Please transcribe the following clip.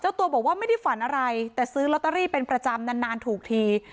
ตัวบอกว่าไม่ได้ฝันอะไรแต่ซื้อลอตเตอรี่เป็นประจำนานถูกที